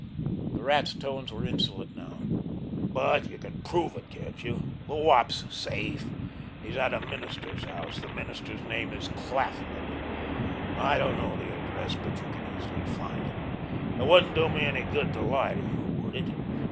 The Rat's tones were insolent now. "But you can prove it, can't you? The Wop's safe. He's at a minister's house. The minister's name is Claflin. I don't know the address, but you can easily find it. It wouldn't do me any good to lie to you, would it?